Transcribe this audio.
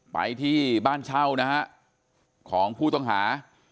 ไปที่บ้านเช่านะฮะของผู้ต้องหา